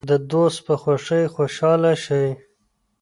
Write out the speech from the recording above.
د دوست په خوښۍ خوشحاله شئ.